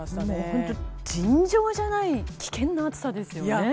本当、尋常じゃない危険な暑さですね。